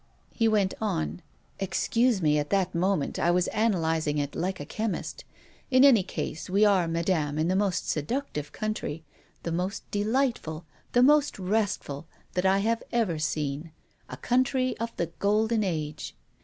He went on: "Excuse me, at that moment, I was analyzing it like a chemist. In any case, we are, Madame, in the most seductive country, the most delightful, the most restful, that I have ever seen a country of the golden age.